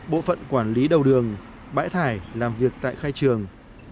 bộ phận quản lý đầu đường bãi thải làm việc tại khai trường